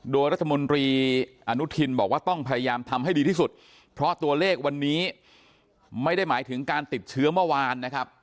โดยรัฐมนตรีอนุทินบอกว่าต้องพยายามทำให้ดีที่สุดเพราะตัวเลขวันนี้ไม่ได้หมายถึงการติดเชื้อเมื่อวานนะครับ